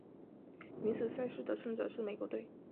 女子赛事的胜者是美国队。